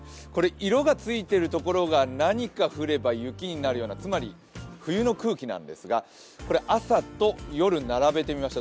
色がついているところが何か降れば雪になるようにつまり冬の空気なんですが、朝と夜並べてみました。